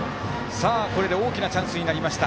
大きなチャンスになりました。